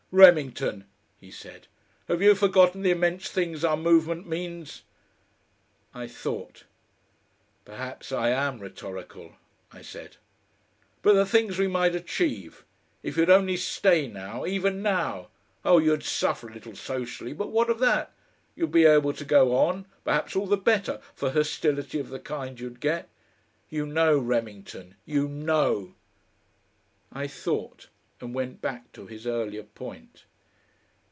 "Remington," he said, "have you forgotten the immense things our movement means?" I thought. "Perhaps I am rhetorical," I said. "But the things we might achieve! If you'd only stay now even now! Oh! you'd suffer a little socially, but what of that? You'd be able to go on perhaps all the better for hostility of the kind you'd get. You know, Remington you KNOW." I thought and went back to his earlier point.